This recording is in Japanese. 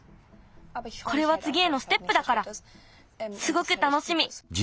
これはつぎへのステップだからすごくたのしみ。